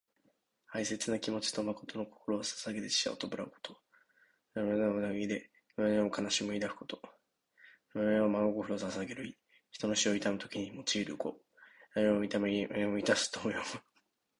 哀切な気持ちと誠の心をささげて死者を弔うこと。「銜」は心に抱く意で、「銜哀」は哀しみを抱くこと、「致誠」は真心をささげる意。人の死を悼む時に用いる語。「哀を銜み誠を致す」とも読む。